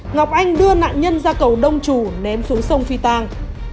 ngọc anh đưa nạn nhân ra cầu đông trù ném xuống sông phi tang